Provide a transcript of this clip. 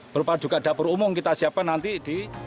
berupa juga dapur umum kita siapkan nanti di